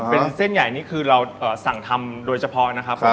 เป็นเส้นใหญ่นี่คือเราสั่งทำโดยเฉพาะนะครับผม